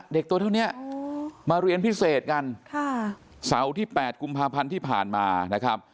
ตัวเท่านี้มาเรียนพิเศษกันค่ะเสาร์ที่๘กุมภาพันธ์ที่ผ่านมานะครับ